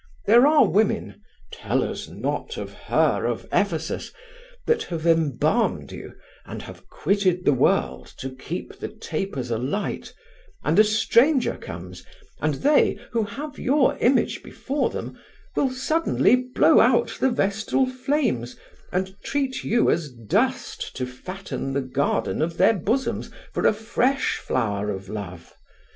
There are women tell us not of her of Ephesus! that have embalmed you, and have quitted the world to keep the tapers alight, and a stranger comes, and they, who have your image before them, will suddenly blow out the vestal flames and treat you as dust to fatten the garden of their bosoms for a fresh flower of love.